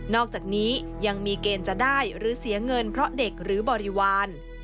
อกจากนี้ยังมีเกณฑ์จะได้หรือเสียเงินเพราะเด็กหรือบริวาร